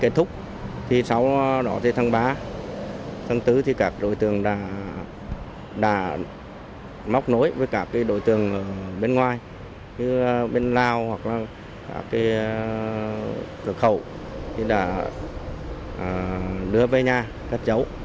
kết thúc thì sau đó thì tháng ba tháng bốn thì các đối tượng đã móc nối với các đối tượng bên ngoài như bên lào hoặc là các cửa khẩu thì đã đưa về nhà cất giấu